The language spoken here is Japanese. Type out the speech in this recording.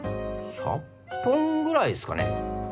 １００本ぐらいですかね